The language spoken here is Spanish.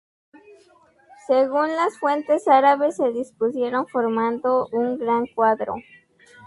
Según las fuentes árabes, se dispusieron formando un gran cuadro.